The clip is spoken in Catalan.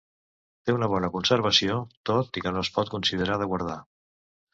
Té una bona conservació, tot i que no es pot considerar de guardar.